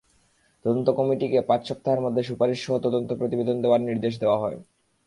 তদন্ত কমিটিকে পাঁচ সপ্তাহের মধ্যে সুপারিশসহ তদন্ত প্রতিবেদন দেওয়ার নির্দেশ দেওয়া হয়।